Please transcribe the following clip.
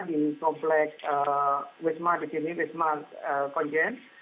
di kompleks wisma di sini wisma kongen